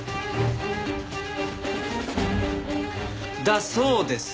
だそうです。